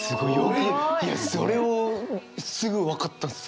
いやそれをすぐ分かった。